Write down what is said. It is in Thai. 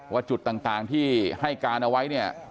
ว่าจุดต่างที่ให้การเอาไว้เนี่ย